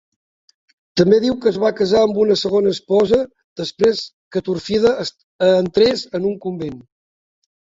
També diu que es va casar amb una segona esposa després que Turfida entrés en un convent.